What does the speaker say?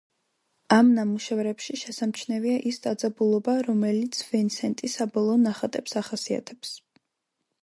ამ ნამუშევრებში შესამჩნევია ის დაძაბულობა რომელიც ვინსენტის საბოლოო ნახატებს ახასიათებს.